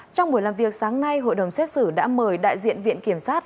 trong buổi làm việc sáng nay hội đồng xét xử đã mời đại diện viện kiểm sát